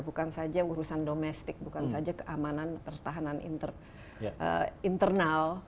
bukan saja urusan domestik bukan saja keamanan pertahanan internal